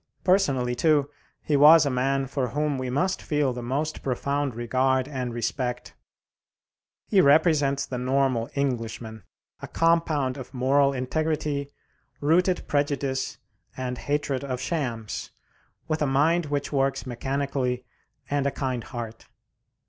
Personally, too, he was a man for whom we must feel the most profound regard and respect. He represents the normal Englishman, a compound of moral integrity, rooted prejudice, and hatred of shams, with a mind which works mechanically and a kind heart.